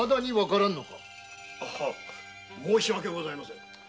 申し訳ございません。